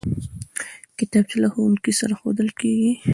کتابچه له ښوونکي سره ښودل کېږي